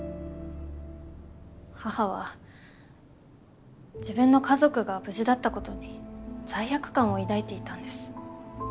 母は自分の家族が無事だったことに罪悪感を抱いていたんです。